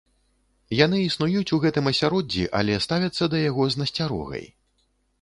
Яны існуюць у гэтым асяроддзі, але ставяцца да яго з насцярогай.